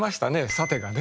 「さて」がね。